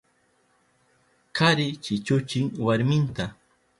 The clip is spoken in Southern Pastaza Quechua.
Kari chichuchin warminta.